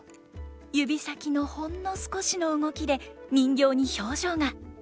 指先のほんの少しの動きで人形に表情が。